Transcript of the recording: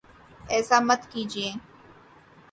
ایسا مت کیجیے